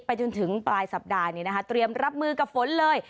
จนถึงปลายสัปดาห์นี้นะคะเตรียมรับมือกับฝนเลย